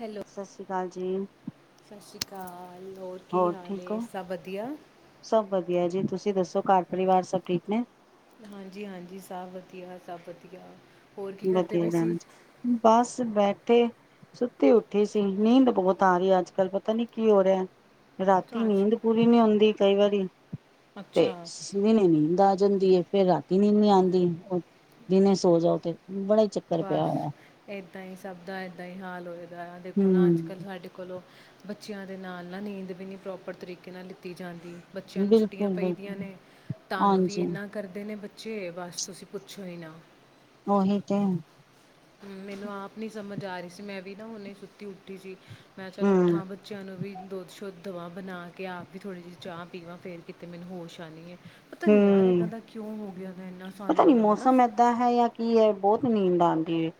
Hello ਸਤਿ ਸ੍ਰੀ ਅਕਾਲ ਜੀ। ਘਰ ਹੋਰ ਠੀਕ ਓ, ਸਭ ਵਧੀਆ ਜੀ ਤੁਸੀਂ ਤੁਸੀਂ ਦੱਸੋ ਘਰ ਪਰਿਵਾਰ ਸਭ ਠੀਕ ਨੇ। ਹਾਂਜੀ-ਹਾਂਜੀ ਸਭ ਵਧੀਆ, ਸਭ ਵਧੀਆ। ਹੋਰ ਕੀ ਕਰਦੇ ਪਏ ਬਥੇਰੇ ਸੀ ਬਸ ਬੈ ਤੇ ਸੁੱਤੀ ਉੱਠੀ ਸੀ ਨੀਂਦ ਬਹੁਤ ਆ ਰਹੀ ਹੈ, ਅੱਜ- ਕੱਲ ਪਤਾ ਨੀ ਕੀ ਹੋ ਰਿਹਾ। ਰਾਤੀ ਅੱਛਾ ਅੱਜ ਨੀਂਦ ਪੂਰੀ ਨੀ ਹੁੰਦੀ ਕਈ ਵਾਰੀ ਤੇਲ। ਤੇ ਅੱਛਾ ਸੋਹਣੀ ਨੀਂਦ ਆ ਜਾਂਦੀ ਹੈ। ਫੇਰ ਰਾਤੀ ਨੀਂਦ ਨੀ ਆਉਂਦੀ ਉਹ ਦਿਨੇ ਸੋ ਜਾਓ ਤੇ ਬੜਾ ਹੀ ਚੱਕਰ ਪਿਆ ਬਸ ਹੋਇਆ, ਏਦਾਂ ਹੀ ਸਭ ਦਾ ਏਦਾਂ ਹੀ ਹਾਲ ਹੋਏ। ਜ਼ਰਾ ਦੇਖੋ ਨਾ ਅੱਜ ਹੂੰ ਕੱਲ੍ਹ ਸਾਡੇ ਕੋਲੋਂ ਬੱਚਿਆਂ ਦੇ ਨਾਲ ਨਾ ਨੀਂਦ ਵੀ ਨਹੀਂ ਪ੍ਰੋਪਰ ਤਰੀਕੇ ਨਾਲ ਲਿੱਤੀ ਜਾਂਦੀ। ਬੱਚਿਆਂ ਨੂੰ ਛੁੱਟੀਆਂ ਬਿਲਕੁਲ ਪਈਦੀਆਂ ਬਿਲਕੁਲ। ਨੇ ਤੰਗ ਵੀ ਹਾਂਜੀ, ਇੰਨਾ ਕਰਦੇ ਨੇ ਬ ਜੇ ਬਸ ਤੁਸੀਂ ਪੁੱਛੋ ਹੀ ਨਾ ਉਹੀ ਤੇ ਮੈਨੂੰ ਆਪ ਨੀ ਸਮਝ ਆ ਰਹੀ ਸੀ ਮੈਂ ਵੀ ਨਾ ਹੁਣੇ ਸੁੱਤੀ ਉੱਠੀ ਸੀ। ਮੈਂ ਚੱਲ ਉੱਠਾਂ ਬੱਚਿਆਂ ਨੂੰ ਵੀ ਦੁੱਧ ਸ਼ੁੱਧ ਦਵਾ ਬਣਾ ਕੇ ਆਪ ਵੀ ਥੋੜ੍ਹੀ ਜਿਹੀ ਚਾਹ ਪੀਵਾਂ ਫਿਰ ਕਿਤੇ ਮੈਨੂੰ ਹੋਸ਼ ਆਣੀ ਐ। ਪਤਾ ਨੀ ਯਾਰ ਇੱਦਾਂ ਹੂੰ। ਦਾ ਕਿਉਂ ਹੋ ਗਿਆ ਇੰਨਾ ਪਤਾ ਸਾਨੂੰ ਨੀ ਮਤਲਬ ਨਾ ਮੌਸਮ ਏਦਾਂ ਹੈ ਜਾਂ ਕੀ ਹੈ ਬਹੁਤ ਨੀਂਦ ਆਂਦੀ ਐ।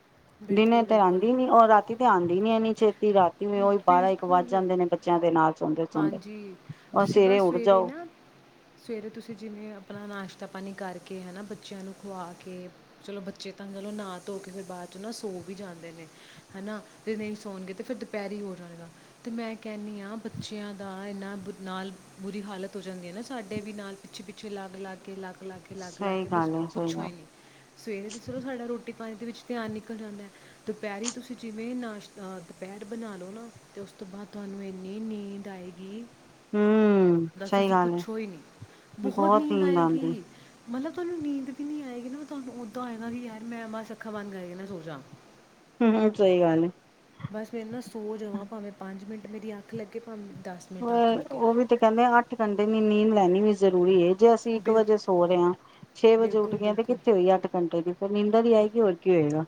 ਦਿਨੇ ਬਿਲਕੁਲ ਤੇ ਬਿਲਕੁਲ ਆਂਦੀ ਨੀ ਉਹ ਰਾਤੀ ਤੇ ਆਂਦੀ ਨੀ ਇੰਨੀ ਚਿਰ ਤੇ ਰਾਤੀ ਨੂੰ ਉਹੀ ਬਾਰਾਂ ਇੱਕ ਵੱਜ ਬਿਲਕੁਲ ਜਾਂਦੇ ਨੇ ਬੱਚਿਆਂ ਦੇ ਨਾਲ ਸੌਂਦੇ ਸੌਂਦੇ ਹਾਂਜੀ ਤੁਸੀਂ ਸਵੇਰੇ ਬਸ ਉੱਠ ਜਾਓ। ਨਾ ਸਵੇਰੇ ਤੁਸੀਂ ਜਿਵੇਂ ਆਪਣਾ ਨਾਸ਼ਤਾ ਪਾਣੀ ਕਰਕੇ ਹੈ ਨਾ ਬੱਚਿਆਂ ਨੂੰ ਖੁਆ ਕੇ ਚਲੋ ਬੱਚੇ ਤਾਂ ਚਲੋ ਨਾ ਧੋ ਕੇ ਫਿਰ ਬਾਅਦ 'ਚ ਨਾ ਸੌ ਵੀ ਜਾਂਦੇ ਨੇ ਹਨਾ ਜੇ ਨਹੀਂ ਸੌਣਗੇ ਤਾਂ ਫਿਰ ਪੈਰੀ ਹੀ ਹੋ ਜਾਵੇਗਾ ਅਤੇ ਮੈਂ ਕਹਿੰਦੀ ਹਾਂ ਬੱਚਿਆਂ ਦਾ ਇੰਨਾਂ ਬੁ ਨਾਲ ਬੁਰੀ ਹਾਲਤ ਹੋ ਜਾਂਦੀ ਹੈ ਨਾ ਸਾਡੇ ਵੀ ਨਾਲ ਪਿੱਛੇ- ਪਿੱਛੇ ਲੱਗ ਲੱਗ ਕੇ ਅਲੱਗ ਲਾ ਕੇ ਲੱਗ ਲੱਗ ਸਹੀ ਕੇ ਬਸ ਗੱਲ ਹੈ ਸਹੀ ਪੁੱਛੋ ਗੱਲ ਹੀ ਨੀ ਸਵੇਰੇ ਤੇ ਚਲੋ ਸਾਡਾ ਰੋਟੀ ਪਾਣੀ ਦੇ ਵਿੱਚ ਧਿਆਨ ਨਿਕਲ ਜਾਂਦਾ ਦੁਪਹਿਰੀ ਤੁਸੀਂ ਜਿਵੇਂ ਨਾਸ਼ਤਾ ਦੁਪਹਿਰ ਦੁੱਧ ਬਣਾ ਲਓ ਨਾ ਤੇ ਉਸ ਤੋਂ ਬਾਅਦ ਤੁਹਾਨੂੰ ਇੰਨੀ ਨੀਂਦ ਆਏਗੀ। ਹੂੰ ਬੱਸ, ਸਹੀ ਤੁਸੀਂ ਗੱਲ ਹੈ ਪੁੱਛੋ ਹੀ ਨਹੀਂ ਬਹੁਤ ਨੀਂਦ ਆਏਗੀ। ਮਤਲਬ ਤੁਹਾਨੂੰ ਨੀਂਦ ਵੀ ਨਹੀਂ ਆਏਗੀ ਨਾ ਮੈਂ ਤੁਹਾਨੂੰ ਉਦਾਂ ਹੋਏਗਾ ਯਾਰ ਮੈਂ ਬਸ ਅੱਖਾਂ ਬੰਦ ਕਰਕੇ ਨਾ ਸੋ ਜਾਂ। ਹੂੰ ਸਹੀ ਗੱਲ ਹੈ। ਬਸ ਮੈਂ ਨਾ ਸੋ ਜਾਵਾਂ ਭਾਵੇਂ ਪੰਜ ਮਿੰਟ ਮੇਰੀ ਅੱਖ ਲੱਗੇ ਭਾਵੇਂ ਦਸ ਮਿੰਟ ਅੱਖ ਲੱਗੇ ਉਹ ਵੀ ਤੇ ਕਹਿੰਦੇ ਅੱਠ ਘੰਟੇ ਦੀ ਨੀਂਦ ਲੈਣੀ ਵੀ ਜ਼ਰੂਰੀ ਹੈ। ਜੇ ਅਸੀਂ ਇੱਕ ਵਜੇ ਬਿਲਕੁਲ ਸੋ ਰਹੇ ਹਾਂ ਛੇ ਵਜੇ ਉੱਠ ਬਿਲਕੁਲ ਗਏ ਤੇ ਬਿਲਕੁਲ ਕਿੱਥੇ ਹੋਈਏ ਅੱਠ ਘੰਟੇ ਦੀ ਫਿਰ ਨੀਂਦਾ ਨੀ ਆਏਗੀ ਹੋਰ ਕੀ ਹੋਏਗਾ।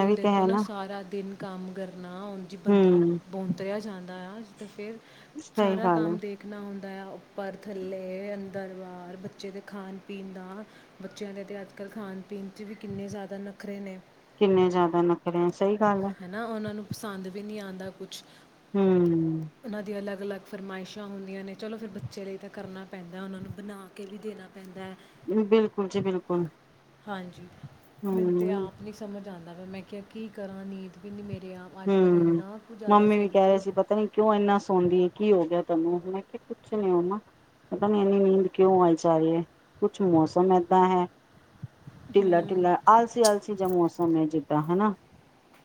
ਇਹ ਵੀ ਤੇ ਦੇਖੋ ਹੈ ਨਾ ਸਾਰਾ ਦਿਨ ਕੰਮ ਕਰਨਾ ਉਂਝ ਹੀ ਬੰਦਾ ਹੂੰ ਬੋਂਤਰਿਆ ਜਾਂਦਾ ਆ। ਅਤੇ ਫਿਰ ਸਹੀ ਸਾਰਾ ਗੱਲ ਹੈ ਕੰਮ ਦੇਖਣਾ ਹੁੰਦਾ। ਦਾ ਉੱਪਰ ਥੱਲੇ ਅੰਦਰ ਬਾਹਰ ਬੱਚੇ ਦੇ ਖਾਣ ਪੀਣ ਦਾ ਬੱਚਿਆਂ ਦੇ ਤਾਂ ਅੱਜ ਕੱਲ੍ਹ ਖਾਣ ਪੀਣ 'ਚ ਵੀ ਕਿੰਨੇ ਜ਼ਿਆਦਾ ਨਖਰੇ ਨੇ ਕਿੰਨੇ ਜ਼ਿਆਦਾ ਨਖਰੇ ਆ ਇ ਹੈਨਾ ਉਹਨਾਂ ਨੂੰ ਪਸੰਦ ਵੀ ਨਹੀਂ ਆ ਦਾ ਕੁਛ, ਹੂ ਅਲੱਗ ਫਰਮਾਇਸ਼ਾਂ ਹੁੰਦੀਆਂ ਨੇ ਚਲੋ ਫਿਰ ਬੱਚੇ ਲਈ ਤਾਂ ਕਰਨਾ ਪੈਂਦਾ ਉਹਨਾਂ ਨੂੰ ਬਣਾ ਕੇ ਵੀ ਦੇਣਾ ਪੈਂਦਾ ਐ। ਬਿਲਕੁਲ ਜੀ ਬਿਲਕੁਲ, ਹਾਂਜੀ, ਮੈਨੂੰ ਤੇ ਹੂੰ ਆਪ ਨੀ ਸਮਝ ਆਂਦੀ - ਨਾਲੇ ਮੈਂ ਕਿਹਾ ਕੀ ਕਰਾਂ ਨੀਂਦ ਵੀ ਨੀ ਮੇ ਹੂ ਮੰਮੀ ਵੀ ਕਹਿ ਰਹੇ ਪੀੜ ਸੀ ਪਤਾ ਨੀ ਕਿਉਂ ਇੰਨਾ ਸੋਂਦੀ ਐ, ਕੀ ਹੋ ਹੋ ਗਿਆ ਤੈਨੂੰ ਮੈਂ ਕਿਹਾ ਕੁਛ ਨੀ ਮੰਮਾ ਪਤਾ ਨੀ ਇੰਨੀ ਨੀਂਦ ਕਿਉਂ ਆਈ ਜਾ ਰਹੀ ਹੈ ਕੁਛ ਮੌਸਮ ਏਦਾਂ ਹੈ। ਢਿੱਲਾ ਹੂੰ ਢਿੱਲਾ ਆਲਸੀ ਆਲਸੀ ਜਾ ਮੌਸਮ ਐ ਜੋ, ਤਾ ਹੈਨਾ,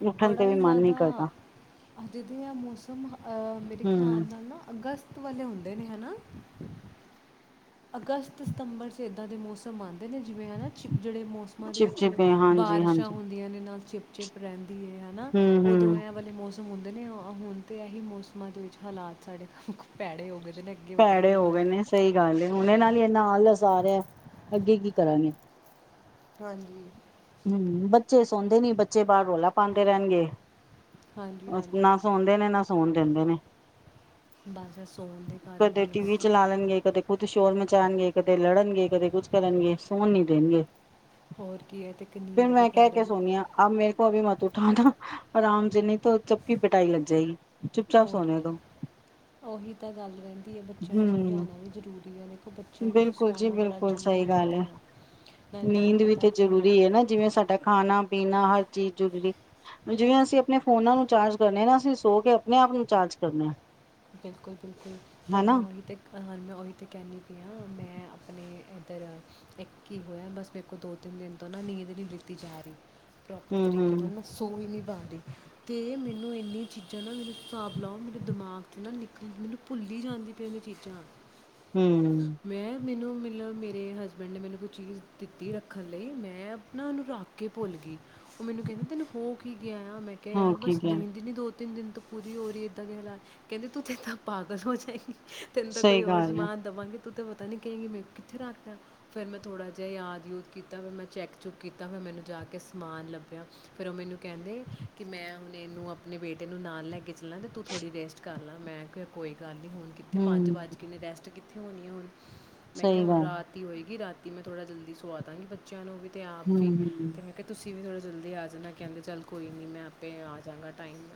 ਉੱਠਣ ਬੜਾ ਤੇ, ਹੀ ਮਨ ਨੀ ਜ਼ਿਆਦਾ ਕਰਦਾ ਅੱਜ ਦੇ ਐ ਮੌਸਮ ਹ ਐ ਮੇਰੇ ਖਿਆਲ ਹੂੰ ਨਾਲ ਨਾ ਅਗਸਤ ਔ ਵਾਲੇ ਹੁੰਦੇ ਨੇ ਹਨਾ। ਅਗਸਤ ਸਤੰਬਰ 'ਚ ਇੱਦਾਂ ਦੇ ਮੌਸਮ ਆ ਦੇ ਨੇ ਜਿਵੇਂ ਹੈਨਾ ਚਿਪ, ਜਿਹੜੇ ਮੌਸਮਾਂ ਦੇ ਵਿੱਚ ਚਿਪਚਿਪੇ ਹਾਂਜੀ ਬਾਰਿਸ਼ਾਂ ਹਾਂਜੀ ਹੁੰਦੀਆਂ ਨੇ ਨਾਲ ਚਿਪ ਚਿਪ ਰਹਿਣ, ਵੀ ਹੈਨਾ ਹੂੰ ਉਦੋ ਹੂੰ ਏ ਵਾਲੇ ਮੌਸ ਹੁੰਦੇ ਨੇ ਹੁਣ ਤੇ ਇਹੀ ਮੌਸਮਾਂ ਦੇ ਵਿੱਚ ਹਾਲਾਤ ਸਾਡੇ ਪੈੜੇ ਹੋ ਗਏ ਨੇ, ਦੇ ਅੱਗੇ ਪਤਾ ਨਹੀਂ ਭੈੜੇ ਕੀ ਹੋ ਗਏ ਹੋਣਾ ਹੈ। ਨੇ ਸਹੀ ਗੱਲ ਏ ਉਹਨ ਨਾਲ, ਬਈ ਐ ਨਾਲ ਏ ਸਾਰੇ, ਅੱਗੇ ਕੀ ਕਰਾਂਗੇ। ਹਾਂਜੀ, ਜੀ ਹੂ ਬੱਚੇ ਸੌਦੇ ਨੀ ਬੱਚੇ ਬਾਹਰ ਰੌਲਾ ਪਾਦੇ ਰਹਿਣਗੇ। ਹਾਂਜੀ ਹਾਂਜੀ ਨਾ ਸੋਦੇ ਨੇ ਨਾ ਸੋਣ ਦਿੰਦੇ ਨੇ ਬਸ ਇਹ ਸੌਣ ਦੇ ਕਾਰਨ ਕਦੇ ਤੁਹਾਨੂੰ ਟੀ ਵੀ ਪਤਾ ਹੈ ਚਲਾ ਲੈਣਗੇ ਕਦੇ ਖੁਦ ਸ਼ੋਰ ਚਲਾਣਗੇ ਕਦੇ ਲੜਨਗੇ ਕਦੇ ਕੁਝ ਕਰਨਗੇ ਸੋਣ ਨੀ ਦੇਣਗੇ। ਹੋਰ ਕੀ ਹੈ ਅਤੇ ਫਿਰ ਨੀਂਦ ਦੇ ਮੈਂ ਕਹਿ ਕੇ ਕਾਰਨ ਸੋਨੀ ਆ, ਅਬ ਮੇਰੇ ਕੋ ਅਬੀ ਮਤ ਉਠਾ ਦੋ, ਆਰਾਮ ਜਿੰਨੀ, ਫਿਰ ਸਬਕੀ ਪਿਟਾਈ ਲੱਜਏਗੀ। ਹੋਰ ਕੀ ਉਹੀ ਤਾਂ ਗੱਲ ਰਹਿੰਦੀ ਹੈ, ਬੱਚਿਆਂ ਨੂੰ ਹੂੰ, ਸਮਝਾਉਣਾ ਵੀ ਜ਼ਰੂਰੀ ਐ ਦੇਖੋ ਬੱਚਿਆਂ ਨੂੰ ਵੀ ਬਿਲਕੁਲ ਜੀ ਸੁਆਉਣਾ ਬੜਾ ਬਿਲਕੁਲ ਜ਼ਰੂਰੀ ਸਹੀ ਗੱਲ ਰਹਿੰਦਾ ਐ। ਹੈ, ਨਾਲੇ ਤੁਹਾਨੂੰ ਨੀਂਦ ਵੀ ਪਤਾ ਤੇ ਹੈ ਜ਼ਰੂਰੀ ਐ ਜਿਵੇਂ ਸਾਡਾ ਨਾ, ਖਾਣਾ-ਪੀਣਾ ਹਰ ਚੀਜ਼ ਜ਼ਰੂਰੀ ਜਿਵੇਂ ਅਸੀਂ ਆਪਣੇ, ਫੋਨਾ ਨੂੰ ਚਾਰਜ ਕਰਨੇ ਨਾ ਅਸੀਂ ਸੋ ਕੇ ਆਪਣੇ ਆਪ ਨੂੰ ਚਾਰਜ ਕਰਨੇ ਆ। ਬਿਲਕੁਲ ਬਿਲਕੁਲ ਤੁਹਾਨੂੰ ਮੈਂ ਉਹੀ 'ਤੇ ਹ ਮੈਂ ਉਹੀ 'ਤੇ ਕਹਿੰਨੀ ਆ, ਹਾਂ ਮੈਂ ਆਪਣੇ ਇੱਧਰ ਇੱਕ ਹੀ ਹੋਇਆ ਬਸ ਮੇਰੇ ਕੋਲ ਦੋ ਤਿੰਨ ਦਿਨ ਤੋਂ ਨਾ ਨੀਂਦ ਨਹੀਂ ਬਤੀ ਜਾ ਰਹੀ ਪ੍ਰੋਪਰ ਤਰੀਕੇ ਨਾਲ ਹੂੰ-ਹੂੰ, ਮ ਸੋਚ ਨਿਭ ਰਹੀ ਤੇ ਮੈਨੂੰ ਨ ਇੰਨੀਆਂ ਚੀਜ਼ਾਂ ਨਾ ਮੇਰੇ ਹਿਸਾਬ ਲਓ ਮੇਰੇ ਦਿਮਾਗ ਨਾ ਨਿਕਲ ਮੈਨੂੰ ਭੁੱਲ ਹੀ ਜਾਂਦੀ ਪਈ ਉਹ ਚੀਜ਼ਾਂ ਨਾਲ ਹਮ ਮੈਨੂੰ ਮਤਲਬ ਮੇਰੇ ਹਸਬੈਂਡ ਨੇ ਮੈਨੂੰ ਕੋਈ ਚੀਜ਼ ਦਿੱਤੀ ਰੱਖਣ ਲਈ ਮੈਂ ਆਪ ਨਾ ਉਹਨੂੰ ਰੱਖ ਕੇ ਭੁੱਲ ਗਈ ਉਹ ਮੈਨੂੰ ਕਹਿੰਦਾ ਤੈਨੂੰ ਹੋ ਕੀ ਆਇਆ ਮੈਂ ਕਿਹਾ ਹੋਰ ਯਾਰ ਕੀ ਬਸ ਕਿਆ। ਨੀਂਦ ਨੀ ਦੋ ਤਿੰਨ ਦਿਨ ਤੋਂ ਪੂਰੀ ਹੋ ਰਹੀ ਇਏਦਾਂ ਕਿ ਹਾਲਾਤ ਕਹਿੰਦੇ ਤੂੰਥੇ ਤਾਂਾਂ ਪਾਗਲ ਹੋ ਜਾਏਗੀ ਤੈਨੂੰ ਤਾਂ ਸਹੀ ਕੋਈ ਹੋਰ ਗੱਲ ਐ, ਸਮਾਨ ਦੇਵਾਂਗੇ ਤੂੰ ਤਾਂ ਪਤਾ ਨਹੀਂੀ ਕਹਿੰਗੀ ਮੈਂ ਕਿੱਥੇ ਰੱਖ ਰਿ ਫਿਰ ਮੈਂ ਥੋੜ੍ਹਾ ਜਿਹਾ ਯਾਦ ਯੂਦ ਕੀਤਾ ਫਿਰ ਮੈਂ ਚੈੱਕ ਚੁੱਕ ਕੀਤਾ ਫਿਰ ਮੈਨੂੰ ਜਾ ਕੇ ਸਮਾਨ ਲੱਭਿਆ ਫਿਰ ਉਹ ਮੈਨੂੰ ਕਹਿੰਦੇ ਕਿ ਮੈਂ ਹੁਣ ਇਹਨੂੰ ਆਪਣੇ ਬੇਟੇ ਨੂੰ ਨਾਲ ਲੈ ਕੇ ਤੂੰ ੋੜੀ ਰੇਟ ਗੱਲ ਆ ਮੈਂ ਕਿਹਾ ਕੋਈ ਗੱਲ ਨਹੀਂ ਹੁਣ ਕਿੱਥੇ ਪੰਜ ਹੂੰ, ਵੱਜ ਕੇ ਨੇ ਰੈਸਟ ਕੀਤਾ ਕੀਤੀ ਉੱਥੇ ਹੋਣੇ ਹੋਣ ਮੈਂ ਕਿਹਾ ਸਹੀ ਹੁਣ ਗੱਲ, ਰਾਤੀ ਹੋਏਗੀ ਰਾਤੀ ਤੇ ਮੈਂ ਥੋੜਾ ਜਲਦੀ ਸਵਾ ਦਾਂਗੀ ਬੱਚਿਆਂ ਨੂੰ ਵੀ ਹੂੰ-ਹੂੰ। [unintelligible] ਜਲਦੀ ਆ ਜਾਣਾ ਕਹਿੰਦੇ ਚੱਲ ਕੋਈ ਨਹੀਂ ਮੈਂ ਆਪੇ ਆ ਜਾਂਾਂਗਾ ਟਾਈਮ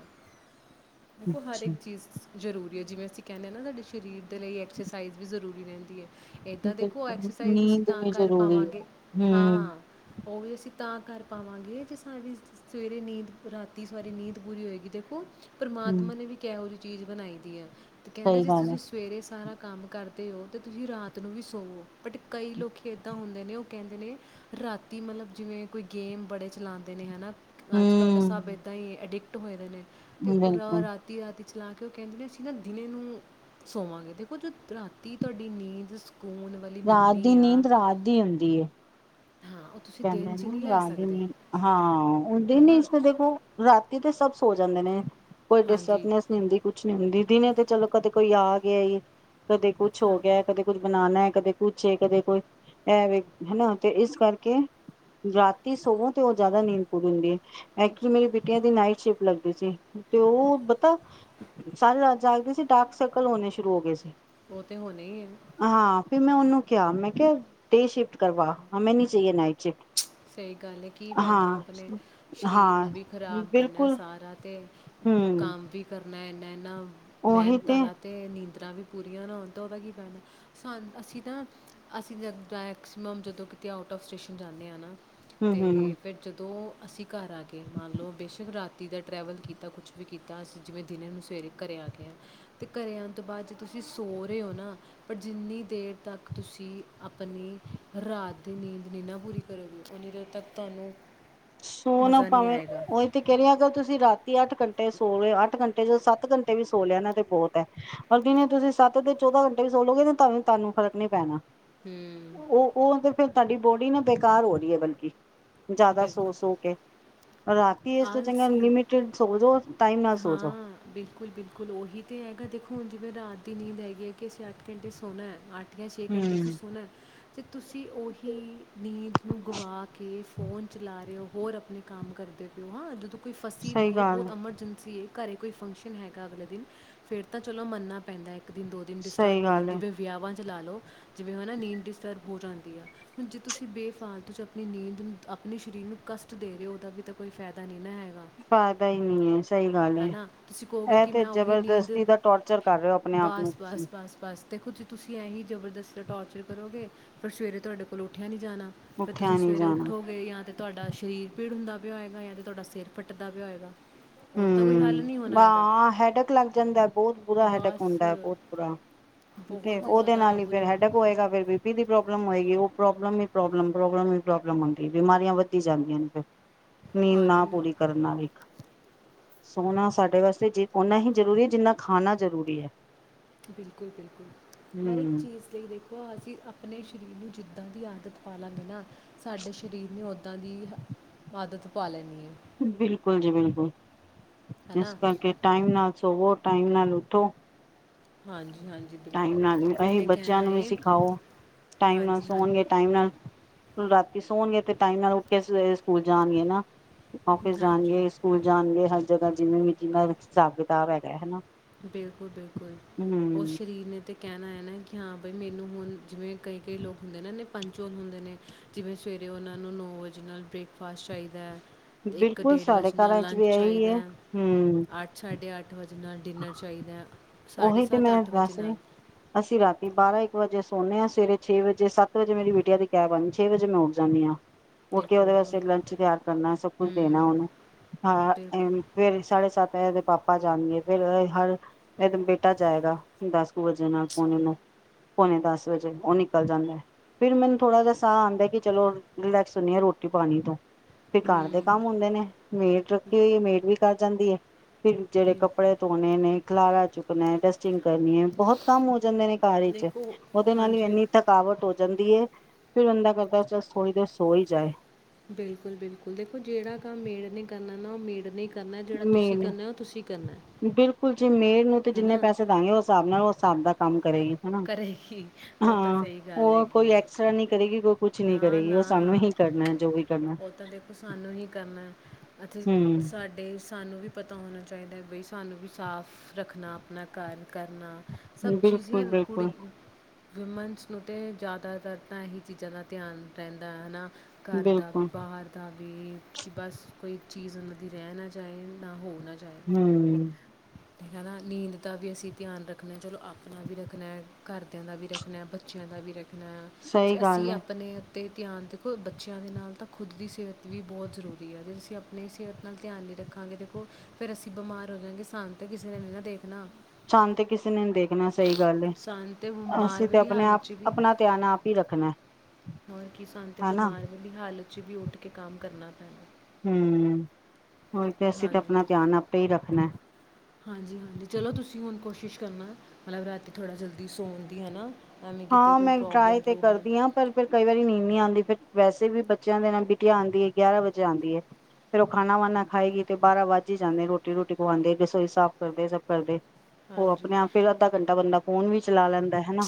ਦੇਖੋ ਹਰ ਅੱਛਾ ਇੱਕ ਚੀਜ਼ ਜ਼ਰੂਰੀ ਹੈ ਜਿਵੇਂ ਅਸੀਂ ਕਹਿੰਦੇ ਹਾਂ ਨਾ ਸਾਡੇ ਸਰੀਰ ਦੇ ਲਈ ਐਕਸਰਸਾਈਜ਼ ਵੀ ਜ਼ਰੂਰੀ ਰਹਿੰਦੀ ਹੈ ਇਹ ਤਾਂ ਦੇਖੋ ਬਿਲਕੁਲ ਐਕਸਰਸਾਈਜ਼ ਅਸੀਂ ਨੀਂਦ ਤਾਂ ਵੀ ਕਰ ਜ਼ਰੂਰੀ ਹੈ। ਪਾਵਾਂਗੇ ਹਾਂ ਹੂੰ, ਉਹ ਵੀ ਅਸੀਂ ਤਾਂ ਕਰ ਪਾਵਾਂਗੇ ਜੇ ਸਾਰੀ ਸਵੇਰੇ ਨੀਂਦ ਰਾਤੀ ਸਾਰੀ ਨੀਂਦ ਪੂਰੀ ਹੋਏਗੀ ਦੇਖੋ ਪਰਮਾਤਮਾ ਨੇ ਵੀ ਉਹਰੀ ਚੀਜ਼ ਬਣਾਈ ਦੀ ਹੈ ਤੇ ਕਹਿੰਦੇ ਸਹੀ ਜੇ ਗੱਲ ਹੈ। ਤੁਸੀਂ ਸਵੇਰੇ ਸਾਰਾ ਕੰਮ ਕਰਦੇ ਹੋ ਅਤੇ ਤੁਸੀਂ ਰਾਤ ਨੂੰ ਵੀ ਸੋਵੋ ਬਟ ਕਈ ਲੋਕ ਇੱਦਾਂ ਹੁੰਦੇ ਨੇ ਉਹ ਕਹਿੰਦੇ ਨੇ ਰਾਤੀ ਮਤਲਬ ਜਿਵੇਂ ਕੋਈ ਗੇਮ ਬੜੇ ਚਲਾਉਂਦੇ ਨੇ ਹੈ ਨਾ ਅੱਜ ਕੱਲ੍ਹ ਤਾਂ ਸਭ ਹੂੰ, ਇੱਦਾਂ ਹੀ ਅਡਿਕਟ ਪਟ ਹੋਏ ਨੇ ਅਤੇ ਉਹਦਾ ਬਿਲਕੁਲ ਰਾਤੀ ਰਾਤੀ ਚਲਾ ਕੇ ਉਹ ਕਹਿੰਦੇ ਨੇ ਅਸੀਂ ਨਾ ਦਿਨੇ ਨੂੰ ਸੋਵਾਂਗੇ ਦੇਖੋ ਜੋ ਰਾਤੀ ਤੁਹਾਡੀ ਨੀਂਦ ਸਕੂਨ ਵਾਲੀ ਰਾਤ ਦੀ ਮਿਲਣੀ ਆ ਨੀਂਦ ਰਾਤ ਦੀ ਹੁੰਦੀ ਹਾਂ ਉਹ ਤੁਸੀਂ ਕਹਿੰਦੇ ਦਿਨ 'ਚ ਨਹੀਂ ਨਾ ਲੈ ਰਾਤ ਸਕਦੇ ਨ ਹਾਂ ਹਦੇ ਨੀ ਹਨਾ ਇਸ ਤੇ ਦੇਖੋ ਰਾਤੀ ਤੇ ਸਭ ਸੋ ਜਾਂਦੇ ਨੇ ਕੋਈ ਹਾਂਜੀ ਡਿਸਟਰਬਨੈਸ ਨਹੀਂ ਹੁੰਦੀ ਕੁਛ ਨੀ ਹੁੰਦੀ ਦੀ ਨੇ ਚਲੋ ਕਦੇ ਕੋਈ ਆ ਗਿਆ ਕਦੇ ਕੁੱਛ ਹਾਂ ਹੋ ਗਿਆ ਕਦੇ ਕੁੱਛ ਬਣਾਉਣਾ ਕਦੇ ਕੁਛੇ ਕਦੇ ਕੋਈ ਐਵੇ ਹਨਾ ਤੇ ਇਸ ਕਰਕੇ ਕੇ ਰਾਤੀ ਸਵੋ ਤੇ ਉਹ ਜ਼ਿਆਦਾ ਨੀਂਦ ਪੂੂਰ ਹੁੰਦੀ ਹੈ ਐਕਚੁਲੀ ਮੇਰੀ ਬੇਟੀਆਂ ਦੀ ਨਾਈਟ ਸ਼ਿਫਟ ਲੱਗਦੀ ਸੀ, ਤੇ ਉਹ ਪਤਾ ਸਾਰੇ ਰਾ ਜਾਗਦੇ ਸੀ ਡਾਰਕ ਸਰਕਲ ਹੋਣੇ ਸ਼ੁਰੂ ਹੋ ਗਏ ਸੀ ਉਹ ਤੇ ਹੋਣਾ ਹੀ ਹੈ ਹਾਂ ਫਿਰ ਮੈਂ ਉਹਨੂੰ ਕਿਆ ਮੈਂ ਕਿਆ ਤੇੇ ਸ਼ਿਫਟ ਕਰਵਾ ਹੈਂ ਨ ਡੇ ਨਾਈਟ ਚ ਸਹੀ ਗੱਲ ਹੈ, ਕੀ ਫਾਇਦਾ ਆਪਣੇ ਸਰੀਰ ਹਾਂ ਨੂੰ ਵੀ ਖ਼ਰਾਬ ਕਰਨਾ ਬਿਲਕੁਲ ਸਾਰਾ ਤੇ ਹਮ ਕੰਮ ਵੀ ਕਰਨਾ ਹਨਾ ਮਿਹਨਤਾ ਤੇ ਨੀਂਦਰਾਂ ਵੀ ਪੂਰੀਆਂ ਨਾ ਹੁੰਣ ਤਾਂ ਉਹਦਾ ਕੀ ਪੈਣਾ ਸਾਨ ਅਸੀਂ ਨਾ ਅਸੀਂ ਜ ਮੈਕਸੀਮਮ ਜਦੋਂ ਕਿਤੇ ਆਊਟ ਔਫ ਸਟੇਸ਼ਨ ਜਾਂਦੇ ਹਾਂ ਨਾ ਹਮ ਤੇ ਹਮ ਫਿਰ ਜਦੋਂ ਅਸੀਂ ਘਰ ਆ ਗਏ ਮੰਨ ਲਓ ਬੇਸ਼ੱਕ ਰਾਤੀ ਦਾ ਟਰੈਵਲ ਕੀਤਾ ਕੁਛ ਵੀ ਕੀਤਾ ਅਸੀਂ ਜਿਵੇਂ ਦਿਨ ਨੂੰ ਸਵੇਰੇ ਘਰ ਆ ਗਏ ਹਾਂ ਅਤੇ ਘਰ ਆਉਣ ਤੋਂ ਬਾਅਦ ਜੇ ਤੁਸੀਂ ਸੋ ਰਹੇ ਹੋ ਨਾ ਪਰ ਜਿੰਨੀ ਦੇਰ ਤੱਕ ਤੁਸੀਂ ਆਪਣੀ ਰਾਤ ਦੀ ਨੀਂਦ ਨਹੀਂ ਨਾ ਪੂਰੀ ਕਰੋ ਦਿਓ ਉਹ ਦੇ ਤੱਕ ਤੁਹਾਨੂੰ ਸੋ ਨਾ ਮਜ਼ਾ ਨਹੀਂ ਪਾਵੇਂ ਆਏਗਾ ਉਹੀ ਤੇ ਕਹਿ ਰਹੀ ਅਗਰ ਤੁਸੀਂ ਰਾਤ ਅੱਠ ਘੰਟੇ ਸੋ ਅੱਠ ਘੰਟੇ, ਚ ਸੱਤ ਘੰਟੇ, ਵੀ ਸੋ ਲਿਆ ਨਾ ਤੇ ਬਹੁਤ ਹੈ। ਪਰ ਦਿਨੇ ਤੁਸੀਂ ਸੱਤ ਤੇ ਚੌਦਾਂ ਘੰਟੇ ਵੀ ਸੋਲੋਗੇ ਤੇ ਤਾਂ ਤੁਹਾਨੂੰ ਫ਼ਰਕ ਨੀ ਪੈਣਾ ਹੂੰ ਉਹ ਉਹ ਤੇ ਫੇਰ ਤੁਹਾਡੀ ਬੋਡੀ ਨੂੰ ਬੇਕਾਰ ਹੋ ਰਹੀ ਹੈ। ਬਲਕਿ ਜ਼ਿਆਦਾ ਬਿਲਕੁਲ ਸੋ ਕੇ ਰਾਤੀ ਇਸ ਤੋਂ ਚੰਗਾ ਆਲਸੀ ਲਿਮਿਟਡ ਸੋ ਜੋ ਟਾਈਮ ਨਾਲ ਸੋ ਜੋ ਹਾਂ। ਬਿਲਕੁਲ, ਬਿਲਕੁਲ ਉਹੀ ਤੇ ਹੈਗਾ ਦੇਖੋ ਹੁਣ ਜਿਵੇਂ ਰਾਦ ਦੀ ਨੀਂਦ ਹੈਗੀ ਹੈ, ਕਿ ਅਸੀਂ ਅੱਠ ਘੰਟੇ ਸੋਣਾ ਹੈ ਅੱਠ ਅੱਠ ਛੇ ਘੰਟੇ 'ਚ ਹਮ ਸੋਣਾ ਤੇ ਤੁਸੀਂ ਉਹੀ ਨੀਂਦ ਨੂੰ ਗਵਾ ਕੇ, ਲਲਾ ਰਹੇ ਹੋ, ਹੋਰ ਆਪਣੇ ਕੰਮ ਕਰਦੇ ਪਏ ਹੋ ਹਾਂ ਜਦੋਂ ਕੋਈ ਫਸੀ ਦੀ ਸਹੀ ਹੈ। ਗੱਲ ਬਹੁਤ ਐਮਰਜੈਂਸੀ ਹੈ। ਘਰੇ ਕੋਈ ਫੰਕਸ਼ਨ ਹੈਗਾ ਅਗਲੇ ਦਿਨ ਫੇਰ ਤਾਂ ਚਲੋ ਮੰਨਨਾ ਪੈਂਦਾ ਹੈ ਇੱਕ ਦਿਨ ਦੋ ਦਿਨ ਡਿਸਟਰਬ ਸਹੀ ਹੋ ਗੱਲ ਜਾਂਦੀ ਹੈ ਵਿਆਹਾਂ ਜ ਲ ਲਓ ਜਿਵੇਂ, ਹਨ ਨਾ ਨੀਂਦ ਡਿਸਟਰਬ ਹੋ ਜਾਂਦੀ ਆ, ਹੁਣ ਜੇ ਤੁਸੀਂ ਬੇਫਾਲਤੂ 'ਚ ਆਪਣੀ ਨੀਂਦ ਆਪਣੇ ਸਰੀਰ ਨੂੰ ਕਸ਼ਟ ਦੇ ਰਹੇ ਉਹਦਾ ਵੀ ਤਾਂ ਕੋਈ ਫਾਇਦਾ ਨਹੀਂ ਨਾ ਹੈਗਾ [unintelligible] ਨਹੀ ਐ ਸਹੀ। [unintelligible] ਹਨਾ ਤੁਸੀਂ ਕਹੋਗੇ ਇਹ ਕਿ ਤੇ ਮੈਂ ਉਹੀ ਨੀਂਦ ਜਬਰਦਸਤੀ ਦਾ ਟੋਰਚਰ ਕਰ ਰਹੇ ਹੋ ਆਪਣੇ ਆਪ ਨੂੰ। ਬਸ ਬਸ ਬਸ ਦੇਖੋ ਜੀ ਤੁਸੀਂ ਇਹੀ ਜਬਰਦਸਤ ਟੋਰਚਰ ਕਰੋਗੇ, ਫਿਰ ਸਵੇਰੇ ਤੁਹਾਡੇ ਕੋਲ ਉੱਠਿਆ ਨੀ ਜਾਣਾ ਫਿਰ ਤੁਸੀਂ ਉੱਠਿਆ ਨਹੀਂ ਸਵੇਰੇ ਜਾਣਾ ਉੱਠੋਗੇ ਯਾਂ ਤੇ ਤੁਹਾਡਾ ਸਰੀਰ ਪੀੜ ਹੁੰਦਾ। ਵੀ ਹੋਏਗਾ ਜਾਂ ਤੇ ਤੁਹਾਡਾ ਸਿਰ ਫੱਟਦਾ ਵੀ ਹੋਏਗਾ। ਹੋਰ ਤਾਂ ਕੋਈ ਹੱਲ ਨਹੀਂ ਹੂੰ ਹੋਣਾ ਇਹਦਾ ਹਾਂ ਹੈਡਕ ਲੱਗ ਜਾਂਦਾ ਬਹੁਤ। ਪੂਰਾ ਹੈਡਕ ਬਸ ਹੁੰਦਾ ਬਹੁਤ ਬੁਰਾ, ਤੇ ਬਹੁਤ ਉਹਦੇ ਜ਼ਿਆਦਾ ਨਾਲ ਹੀ ਫੇਰ ਬੁਰੀ ਹੈਡਕ ਹੋਏਗਾ ਫਿਰ ਬੀ ਪੀ ਦੀ ਪ੍ਰੋਬਲਮ ਪਈ ਓ ਪ੍ਰੋਬਲਮ ਹੀ ਪ੍ਰੋਬਲਮ, ਪ੍ਰੌਬਲਮ ਹੀ ਪ੍ਰੌਬਲਮ ਹੁੰਦੀ ਬਿਮਾਰੀਆਂ ਵੱਧਦੀ ਜਾਂਦੀਆਂ ਨੇ ਫੇਰ। ਨੀਂਦ ਨਾ ਹਾਂਜੀ ਪੂਰੀ ਹਾਂ ਕਰਨ ਨਾਲ ਵੇਖ। ਸੋਨਾ ਸਾਡੇ ਵਾਸਤੇ ਜੇ ਓਨਾ ਹੀ ਜ਼ਰੂਰੀ ਜਿੰਨਾ ਖਾਣਾ ਜ਼ਰੂਰੀ ਹੈ। ਬਿਲਕੁਲ-ਬਿਲਕੁਲ ਹਰ ਇੱਕ ਹਮ ਚੀਜ਼ ਲਈ ਦੇਖੋ ਅਸੀਂ ਆਪਣੇ ਸ਼ਰੀਰ ਨੂੰ ਜਿੱਦਾਂ ਦੀ ਆਦਤ ਪਾਲਾਂਗੇ ਨਾ, ਸਾਡੇ ਸਰੀਰ ਨੂੰ ਉ ਦਾ ਦੀ ਆਦਤ ਪਾ ਲੈਣੀ ਐ। ਬਿਲਕੁਲ ਜੀ ਬਿਲਕੁਲ, ਇਸ ਹਨਾ ਕਰਕੇ ਟਾਈਮ ਨਾਲ ਸੋਵੋ। ਟਾਈਮ ਨਾਲ ਉੱਠੋ। ਹਾਂਜੀ ਹਾਂਜੀ ਟਾਈਮ ਬਿਲਕੁਲ ਨਾਲ ਵੀ ਅਸੀ ਉਹਨੇ ਕਹਿਣਾ ਬੱਚਿਆਂ ਨੂੰ ਵੀ ਹੈ ਸਿਖਾਓ ਟਾਈਮ ਨਾਲ ਹਾਂਜੀ ਸੋਣਗੇ ਹਾਂਜੀ ਟਾਈਮ ਨਾਲ ਸੋਣਗੇ ਤੇ ਟਾਈਮ ਨਾਲ ਉੱਠ ਕੇ ਸਕੂਲ ਜਾਣਗੇ ਨਾ। ਓਫਿਸ ਹਾਂਜੀ ਜਾਣਗੇ, ਸਕੂਲ ਜਾਣਗੇ। ਜਗ੍ਹਾ ਜਿਵੇਂ ਵੀ ਜਿਨਾਂ ਦਾ ਹਿਸਾਬ ਕਿਤਾਬ ਹੈਗਾ ਹਨਾ। ਬਿਲਕੁਲ-ਬਿਲਕੁਲ ਬਿਲਕੁਲ ਉਹ ਹਮ ਸਰੀਰ ਨੇ ਤੇ ਕਹਿਣਾ ਹੈ ਨਾ ਕਿ ਹਾਂ ਬਈ ਮੈਨੂੰ ਹੁਣ ਜਿਵੇਂ ਕਈ-ਕਈ ਲੋਕ ਹੁੰਦੇ ਨੇ ਨਾ ਪੰਕਚੁਅਲ ਹੁੰਦੇ ਨੇ, ਜਿਵੇਂ ਸਵੇਰੇ ਉਹਨਾਂ ਨੂੰ ਨੌ ਵਜੇ ਨਾਲ ਬ੍ਰੇਕਫਾਸਟ ਚਾਹੀਦਾ ਬਿਲਕੁਲ ਇੱਕ-ਡੇੜ ਸਾਡੇ ਵਜੇ ਨਾਲ ਘਰਾਂ ਚ ਲੰਚ ਵੀ ਇਹੀ ਹੈ ਚਾਹੀਦਾ, ਹਮ ਅੱਠ ਸਾਡੇ ਅੱਠ ਵਜੇ ਨਾਲ ਡਿਨਰ ਚਾਹੀਦਾ ਹੈ ਸਾਢੇ ਉਹੀ ਤੇ ਸੱਤ ਮੈਂ ਅੱਠ ਵਜੇ ਵੈਸੇ, ਨਾਲ ਅਸੀਂ ਰਾਤੀ ਬਾਰਾਂ-ਇੱਕ ਵਜੇ ਸੋਨੇ ਆ ਸਵੇਰੇ ਛੇ ਵਜੇ ਸੱਤ ਵਜੇ ਮੇਰੀ ਬਿਟਿਆ ਦੀ ਕੈਬ ਆਂਦੀ ਛੇ ਵਜੇ ਮੈਂ ਉੱਠ ਜਾਂਨੀ ਆ। ਉੱਠ ਕੇ ਦੇਖੋ ਉਹਦੇ ਵਾਸਤੇ ਹੁਣ- ਲੰਚ ਤਿਆਰ ਕਰਨਾ ਸਭ ਕੁਛ ਦੇਣਾ ਹੂੰ ਉਹਨੂੰ, ਹਾਂ ਬਿਲਕੁਲ ਐਂਵੇ ਫੇਰ ਸਾਢੇ ਸੱਤ ਪਾਪਾ ਜਾਣਗੇ। ਫਿਰ ਹਰ ਫਿਰ ਬੇਟਾ ਜਾਏਗਾ ਦਸ ਕੁ ਵਜੇ ਨਾਲ, ਪੌਣੇ ਨੂੰ ਪੌਣੇ ਦਸ ਵਜੇ ਉਹ ਨਿਕਲ ਜਾਂਦਾ। ਫਿਰ ਮੈਨੂੰ ਥੋੜਾ ਜਾ ਸਾਹ ਆਂਦਾ ਕਿ ਚਲੋ ਰਿਲੈਕਸ ਹੁੰਨੀ ਆ ਰੋਟੀ ਪਾਣੀ ਤੋਂ। ਫਿਰ ਘਰ ਦੇ ਕੰਮ ਹੁੰਦੇ ਨੇ, ਮੇਡ ਰੱਖੀ ਹੋਈ ਹੈ ਮੇਡ ਵੀ ਕਰ ਜਾਂਦੀ ਐ। ਫਿਰ ਜਿਹੜੇ ਬਿਲ ਕਪ ਨੇ ਖਲਾਰਾ ਚੁੱਕਣਾ, ਡਸਟਿੰਗ ਕਰਨੀ ਹੈ ਬਹੁਤ ਕੰਮ ਹੋ ਜਾਂਦੇ ਨੇ ਘਰ ਚ ਦੇਖੋ ਉਹਦੇ ਨਾਲ ਹੀ ਹਾਂਜੀ ਇੰਨੀ ਥਕਾਵਟ ਹੋ। ਜਾਂਦੀ ਏ, ਫਿਰ ਇੰਦਾ ਕਰਦਾ ਚਲ ਥੋੜ੍ਹੀ ਦੇਰ ਸੋ ਹੀ ਜਾਏ। ਬਿਲਕੁਲ-ਬਿਲਕੁਲ ਦੇਖੋ ਜਿਹੜਾ ਕੰਮ ਮੇਡ ਨੇ ਕਰਨਾ ਨਾ ਉਹ ਮੇਡ ਨੇ ਹੀ ਕਰਨਾ ਜਿਹੜਾ ਤੁਸੀਂ ਮੈਂ ਕਰਨਾ ਉਹ ਤੁਸੀਂ ਕਰਨਾ ਹੈ ਬਿਲਕੁਲ ਜੀ ਮੇਡ ਨੂੰ ਤੇ ਹੈ ਜਿੰਨੇ ਨਾ ਪੈਸੇ ਦਾਂਗੇ ਉਹ ਹਿਸਾਬ ਨਾਲ ਉਹ ਹਿਸਾਬ ਦਾ ਕੰਮ ਕਰੇਗੀ ਹਨਾ ਕਰੇਗੀ ਉਹ ਤਾਂ ਹਾਂ ਸਹੀ ਗੱਲ ਉਹ ਹੈਗੀ ਕੋਈ ਆ। ਐਕਸਟਰਾ ਨਹੀਂ ਕਰੇਗੀ ਕੋਈ ਕੁਛ ਨਹੀਂ ਨਾ- ਕਰੇਗੀ ਨਾ ਉਹ ਸਾਨੂੰ ਹੀ ਕਰਨਾ ਜੋ ਵੀ ਕਰਨਾ ਉਹ ਤਾਂ ਦੇਖੋ ਸਾਨੂੰ ਹੀ ਕਰਨਾ ਹੈ। ਅਸੀ ਹੂੰ ਸਾਡੇ ਸਾਨੂੰ ਵੀ ਪਤਾ ਹੋਣਾ ਚਾਹੀਦਾ ਬਈ ਸਾਨੂੰ ਵੀ ਸਾਫ਼ ਰੱਖਣਾ ਆਪਣਾ ਘਰ ਕਰਨਾ। ਸਭ ਚੀਜ਼ ਬਿਲਕੁਲ ਕੁੜੀ ਬਿਲਕੁਲ ਵਿਮਨਸ ਨੂੰ ਤੇ ਜ਼ਿਆਦਾਤਰ ਤਾਂ ਇਹੀ ਚੀਜ਼ਾਂ ਦਾ ਧਿਆਨ ਰਹਿੰਦਾ ਹੈ ਹਨਾ। ਘਰ ਦਾ ਬਿਲਕੁਲ ਵੀ ਬਾਹਰ ਦਾ ਵੀ, ਕਿ ਬਸ ਕੋਈ ਚੀਜ਼ ਉਹਨਾਂ ਦੀ ਰਹਿ ਨਾ ਜਾਏ। ਨਾ ਹੋ ਨਾ ਜਾਏ ਹਮ। ਹੈ ਨਾ ਨੀਂਦ ਦਾ ਵੀ ਅਸੀਂ ਧਿਆਨ ਰੱਖਣਾ ਹੈ। ਚਲੋ ਆਪਣਾ ਵੀ ਰੱਖ ਰਖਨਾ। ਐ ਘਰਦਿਆਂ ਦਾ ਵੀ ਰਖਣਾ ਏ ਬੱਚਿਆਂ ਵੀ ਰੱਖ ਹੈ, ਸਹੀ ਜੇ ਗੱਲ ਅਸੀਂ ਹੈ। ਆਪਣੇ ਧਿਆਨ ਦੇਖੋ ਬੱਚਿਆਂ ਦੇ ਨਾਲ ਤਾਂ ਖੁਦ ਦੀ ਸਿਹਤ ਵੀ ਬਹੁਤ ਜ਼ਰੂਰੀ ਹੈ। ਜੇ ਅਸੀਂ ਆਪਣੀ ਸਿਹਤ ਨਾਲ ਧਿਆਨ ਨਹੀਂ ਰੱਖਾਂਗੇ ਦੇਖੋ, ਫਿਰ ਅਸੀਂ ਬਿਮਾਰ ਹੋ ਜਾਵਗੇ ਸਾਨੂੰ ਤਾਂ ਕਿਸੇ ਨੇ ਨਹੀਂ ਨਾ ਦੇਖਣਾ। ਸਾਨੂੰ ਤੇ ਕਿਸੇ ਨੇ ਨੀ ਦੇਖਣਾ ਸਹੀ ਗੱਲ ਸਾਨੂੰ ਤਾਂ ਬਿਮਾਰ ਅਸੀਂ ਤੇ ਵਾਲੀ ਆਪਣੇ ਆਪ, ਹਾਲਤ 'ਚ ਵੀ ਆਪਣਾ ਧਿਆਨ ਆਪ ਹੀ ਰੱਖਣਾ ਹੈ। ਬਲਕਿ ਸਾਨੂੰ ਤੇ ਬਿਮਾਰ ਵਾਲੀ ਹਾਲਤ 'ਚ ਵੀ ਉੱਠ ਕੇ ਕੰਮ ਕਰਨਾ ਹਮ। ਹਾਂਜੀ-ਹਾਂਜੀ। ਹਾਂਜੀ ਚਲੋ ਤੁਸੀਂ ਹੁਣ ਕੋਸ਼ਿਸ਼ ਕਰਨਾ। ਮਤਲਬ ਰਾਤੀ ਥੋੜ੍ਹਾ ਜਲਦੀ ਸੌਣ ਦੀ ਹਨਾ ਹਾਂ ਮੈਂ ਡਰਾਏ ਤੇ ਕਰਦੀ ਹਾਂ ਪਰ ਫਿਰ ਕਈ ਵਾਰੀ ਨੀਂਦ ਨ ਆਉਂਦੀ ਫਿਰ ਵੈਸੇ ਵੀ ਬੱਚਿਆਂ ਦੇ ਨਾਲ ਕਿੱਥੇ ਆਂਦੀ ਹੈ, ਗਿਆਰਾਂ ਵਜੇ ਆਉਂਦੀ ਹੈ, ਫੇਰ ਉਹ ਖਾਣਾ ਵੀ ਖਾਏਗੀ ਤੇ ਬਾਰਾਂ ਵੱਜ ਹੀ ਜਾਂਦੇ ਰੋਟੀ ਰੋਟੀ ਖਵਾਉਂਦੇ ਰਸੋਈ ਸਾਫ਼ ਕਰਦੇ ਸਭ ਕਰਦੇ। ਉਹ ਹਾਂਜੀ ਆਪਣੇ- ਆਪ ਫਿਰ ਅੱਧਾ ਘੰਟਾ ਬੰਦਾ ਫੋਨ ਵੀ ਚਲਾ ਲੈਂਦਾ ਹੈ ਹਨ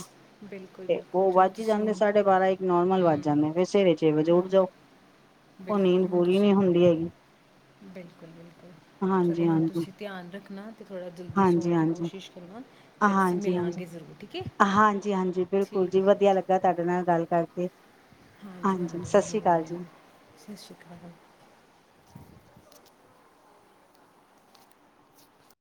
ਬਿਲਕੁਲ-ਬਿਲਕੁਲ ਚਲੋ ਤੁਸੀਂ ਹੁਣ, ਸਾਢੇ ਬਾਰਾਂ ਇੱਕ ਨੋਰਮਲ ਵੱਜ ਹਮ, ਜਾਂਦੇ ਫਿਰ ਸਵੇਰੇ ਛੇ ਵਜੇ ਉੱਠ ਜਾਓ। ਹਾਂਜੀ ਉਹ ਬਿਲਕੁਲ ਨੀਂਦ ਹੁਣ ਪੂਰੀ ਤੁਸੀਂ ਨੀ ਹੁੰਦੀ ਹੈਗੀ ਬਿਲਕੁਲ-ਬਿਲਕੁਲ ਚਲੋ ਹਾਂਜੀ ਹੁਣ ਹਾਂਜੀ। ਤੁਸੀਂ ਧਿਆਨ ਰੱਖਣਾ। ਥੋੜਾ ਜਲਦੀ ਸੌਣ ਹਾਂਜੀ ਦੀ ਹਾਂਜੀ ਕੋਸ਼ਿਸ਼ ਕਰਨਾ ਫੇਰ ਅਸੀਂ ਮਿਲਾਂਗੇ ਜ਼ਰੂਰ ਠੀਕ ਹੈ। ਜੀ ਹਾਂਜੀ ਬਿਲਕੁਲ ਜੀ ਵਧੀਆ ਲੱਗਾ ਤੁਹਾਡੇ ਨਾਲੱ ਗੱਲ ਕਰ ਕਰਕੇ ਹਾਂਜੀ ਸਤਿ ਸ਼੍ਰੀ ਅਕਾਲ ਜੀ ਹੂੰ-ਹੂੰ-ਹੂੰ, ਸਤਿ ਸ਼੍ਰੀ ਅਕਾਲ।